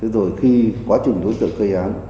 rồi khi quá trình đối tượng cây án